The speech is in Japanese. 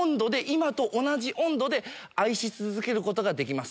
今と同じ温度で愛し続けることができます。